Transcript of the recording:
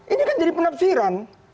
ini kan jadi penafsiran